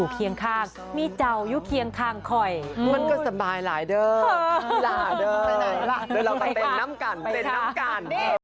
เดี๋ยวเราไปเต็มน้ำกัน